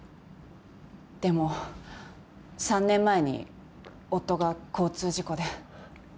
でも３年前に夫が交通事故で。